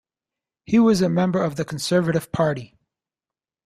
He was a member of the Conservative Party.